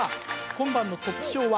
今晩のトップ賞は？